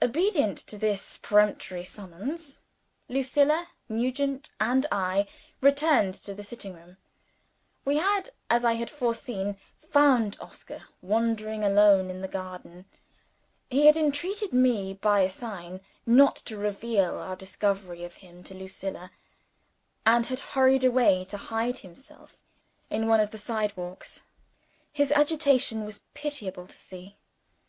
Obedient to this peremptory summons, Lucilla, Nugent, and I returned to the sitting room. We had, as I had foreseen, found Oscar wandering alone in the garden. He had entreated me, by a sign, not to reveal our discovery of him to Lucilla, and had hurried away to hide himself in one of the side walks. His agitation was pitiable to see.